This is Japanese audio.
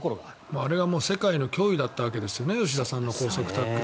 あれが世界の脅威だったわけですよね吉田さんの高速タックル。